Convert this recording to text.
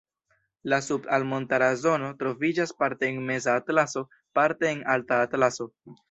La sub-alt-montara zono troviĝas parte en Meza Atlaso, parte en Alta Atlaso.